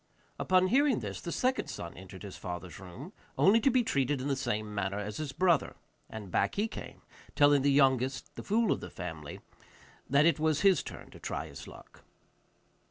Upon hearing this, the second son entered his father's room, only to be treated in the same manner as his brother; and back he came telling the youngest, the fool of the family, that it was his turn to try his luck.